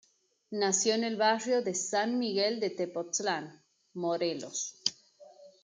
Nació en el Barrio de San Miguel de Tepoztlán, Morelos.